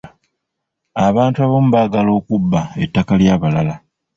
Abantu abamu baagala okubba ettaka ly'abalala.